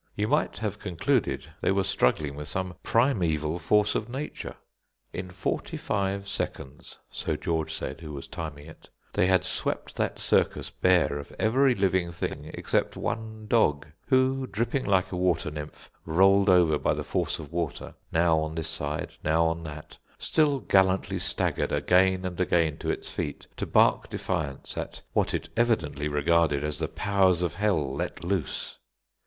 You might have concluded they were struggling with some primeval force of nature. In forty five seconds, so George said, who was timing it, they had swept that circus bare of every living thing except one dog, who, dripping like a water nymph, rolled over by the force of water, now on this side, now on that, still gallantly staggered again and again to its feet to bark defiance at what it evidently regarded as the powers of hell let loose.